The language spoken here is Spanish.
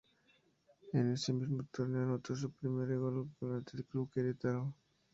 En ese mismo torneo anotó su primer gol ante Club Queretaro.